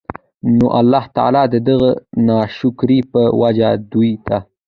نو الله تعالی د دغه ناشکرۍ په وجه دوی ته